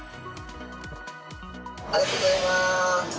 「ありがとうございます」。